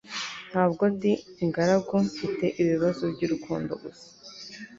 ntabwo ndi ingaragu mfite ibibazo by'urukundo gusa